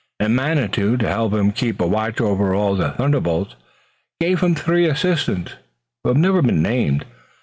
And Manitou to help him keep a watch over all the thunderbolts gave him three assistants who have never been named.